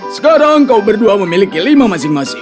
sekarang kau berdua memiliki lima masing masing